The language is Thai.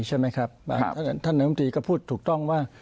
ใช่ไหมครับบางท่านน้ำตรีก็พูดถูกต้องว่า